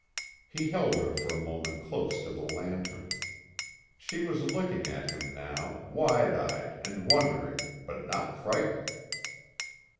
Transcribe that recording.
He held her for a moment close to the lantern. She was looking at him now, wide eyed and wondering, but not frightened.